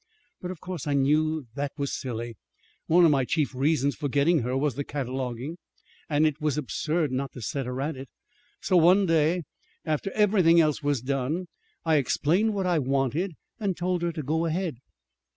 But, of course, I knew that that was silly. One of my chief reasons for getting her was the cataloguing; and it was absurd not to set her at it. So one day, after everything else was done, I explained what I wanted, and told her to go ahead."